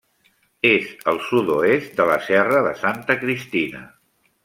És al sud-oest de la Serra de Santa Cristina.